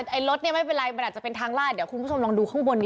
ไอ้รถเนี่ยไม่เป็นไรมันอาจจะเป็นทางลาด